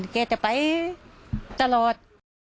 แกจะไปตลอด